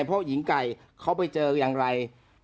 เพราะหญิงไก่เขาไปเจออย่างไร